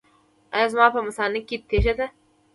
ایا زما په مثانه کې تیږه ده؟